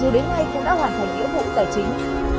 đến nay cũng đã hoàn thành nghĩa vụ tài chính